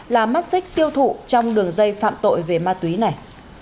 là mắt xích tiêu thụ trong đường dây phạm tội về ma túy này